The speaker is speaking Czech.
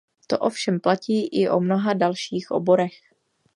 To ovšem platí i o mnoha dalších oborech.